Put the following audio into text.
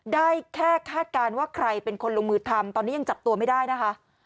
ได้แค่คาดการณ์ว่าใครเป็นคนลงมือทำตอนนี้ยังจับตัวไม่ได้นะคะ